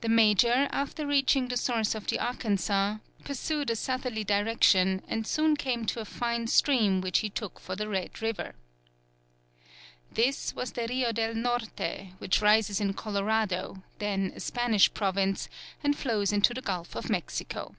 The major, after reaching the source of the Arkansas, pursued a southerly direction and soon came to a fine stream which he took for the Red River. This was the Rio del Norte, which rises in Colorado, then a Spanish province, and flows into the Gulf of Mexico.